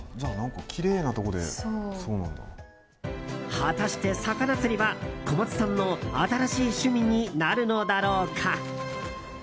果たして、魚釣りは小松さんの新しい趣味になるのだろうか。